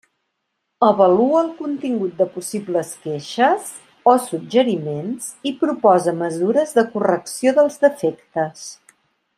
Avalua el contingut de possibles queixes o suggeriments i proposa mesures de correcció dels defectes.